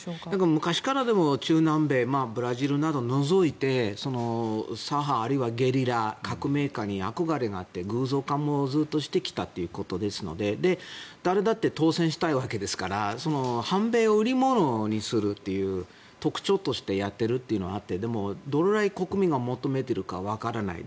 昔から、でも中南米、ブラジルなどを除いて左派、あるいはゲリラ、革命家に憧れがあって偶像化もずっとしてきたということですので誰だって当選したいわけですから反米を売り物にするという特徴としてやっているというのはあってでも、どれぐらい国民が求めているかはわからない。